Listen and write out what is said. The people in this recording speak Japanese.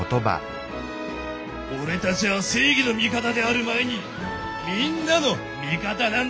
俺たちは正義の味方である前にみんなの味方なんだからな。